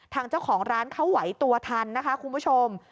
ทางเจ้าของร้านเขาไหวตัวทันนะคะคุณผู้ชม